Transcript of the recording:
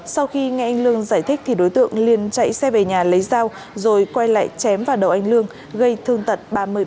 sau khi nghe anh lương giải thích thì đối tượng liên chạy xe về nhà lấy dao rồi quay lại chém vào đầu anh lương gây thương tật ba mươi